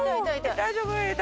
大丈夫？枝。